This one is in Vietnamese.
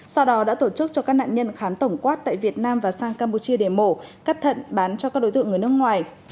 sau đó đã tổ chức cho các nạn nhân khám tổng quát tại việt nam và sang campuchia để mổ cắt thận bán cho các đối tượng người nước ngoài